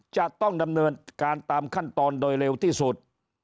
จะต้องดำเนินการตามขั้นตอนโดยเร็วที่สุด